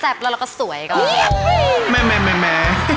ผมบอกว่างั้นอะ